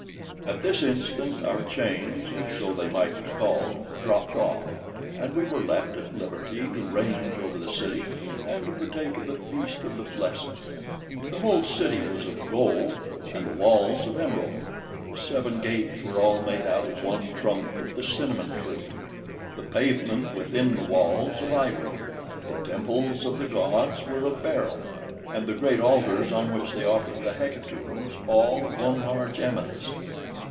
At this instant our chains, if so they might be called, dropped off, and we were left at liberty to range over the city, and to partake of the feast of the blessed. The whole city was of gold, and the walls of emerald; the seven gates were all made out of one trunk of the cinnamon tree; the pavement, within the walls, of ivory; the temples of the gods were of beryl, and the great altars, on which they offered the hecatombs, all of one large amethyst.